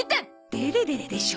デレデレでしょ？